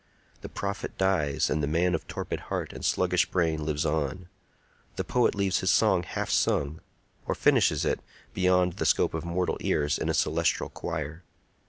The prophet dies, and the man of torpid heart and sluggish brain lives on. The poet leaves his song half sung, or finishes it, beyond the scope of mortal ears, in a celestial choir.